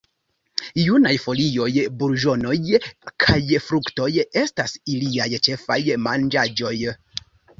Junaj folioj, burĝonoj kaj fruktoj estas iliaj ĉefaj manĝaĵoj.